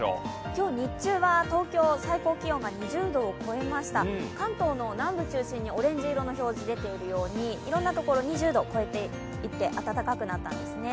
今日日中は東京最高気温が２０度を超えました関東の南部中心にオレンジ色の表示が出てるようにいろんなところ、２０度超えていて暖かくなったんですね。